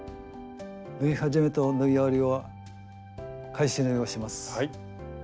縫い始めと縫い終わりは返し縫いをします。